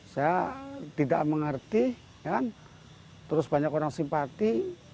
saya tidak mengerti terus banyak orang simpati